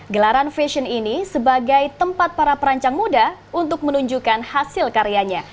gelaran fashion ini sebagai tempat para perancang muda untuk menunjukkan hasil karyanya